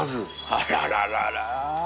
あらららら。